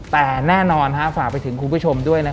แต่แน่นอนฝากไปถึงคุณผู้ชมด้วย